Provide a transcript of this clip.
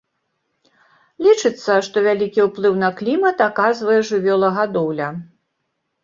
Лічыцца, што вялікі ўплыў на клімат аказвае жывёлагадоўля.